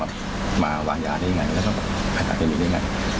ว่ามาวางยาได้อย่างไรแล้วก็ภาษาเทมีนได้อย่างไร